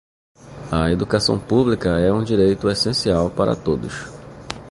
A educação pública é um direito essencial para todos.